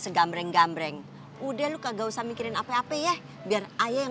segamreng gamreng udah lu kagak usah mikirin apa apa ya biar ayah yang